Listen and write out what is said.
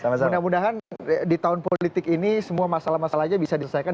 mudah mudahan di tahun politik ini semua masalah masalahnya bisa diselesaikan